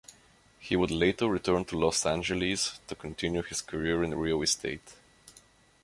He would later return to Los Angeles, to continue his career in real estate.